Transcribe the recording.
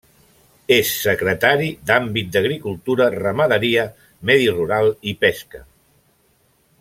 És secretari d’àmbit d’Agricultura, Ramaderia, Medi rural i Pesca.